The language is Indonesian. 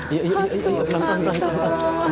iya iya pelan pelan